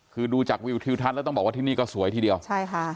คือดูจากวิวทิวทัศน์แล้วต้องบอกว่าที่นี่ก็สวยทีเดียวใช่ค่ะ